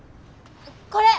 これ！